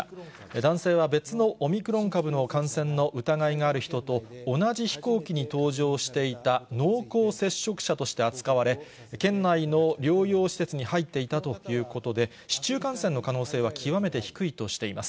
男性は別のオミクロン株の感染の疑いがある人と同じ飛行機に搭乗していた濃厚接触者として扱われ、県内の療養施設に入っていたということで、市中感染の可能性は極めて低いとしています。